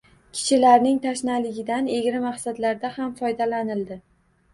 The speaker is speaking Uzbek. Kishilarning tashnaligidan egri maqsadlarda ham foydalanildi.